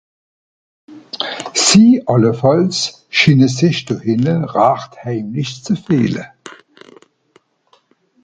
Sie àllefàlls schiine sich do hìnne rächt heimisch ze fìehle.